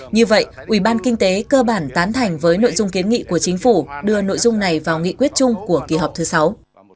như vậy ủy ban kinh tế cơ bản tán thành với nội dung kiến nghị của chính phủ đưa nội dung này vào nghị quyết chung của kỳ họp thứ sáu